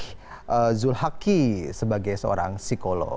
dan zulhaqi sebagai seorang psikolog